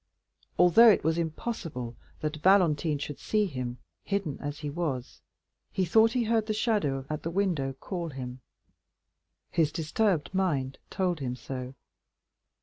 Although it was impossible that Valentine should see him, hidden as he was, he thought he heard the shadow at the window call him; his disturbed mind told him so.